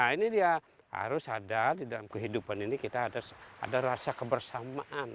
nah ini dia harus ada di dalam kehidupan ini kita ada rasa kebersamaan